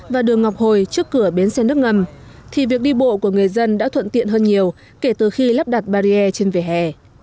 và đường ngọc hồi trước cửa bến xe nước ngầm thì việc đi bộ của người dân đã thuận tiện hơn nhiều kể từ khi lắp đặt barrier trên vỉa hè